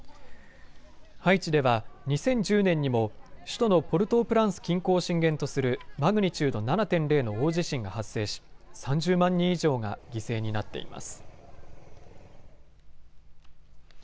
ハイチでは２０１０年にも首都のポルトープランス近郊を震源とするマグニチュード７．０の大地震が発生し３０万人以上が犠牲になっています。